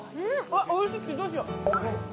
おいしいどうしよう。